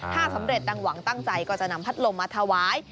ถ้าสำเร็จดังหวังตั้งใจก็จะนำพัดลมมาถวาย